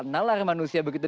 nalar manusia begitu